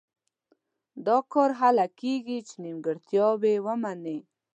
دا کار هله کېږي چې نیمګړتیاوې ومني.